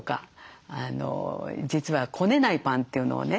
実はこねないパンというのをね